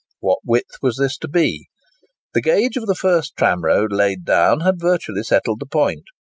What width was this to be? The gauge of the first tramroad laid down had virtually settled the point.